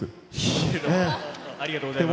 ありがとうございます。